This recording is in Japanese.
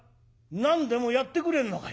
「何でもやってくれるのかい？」。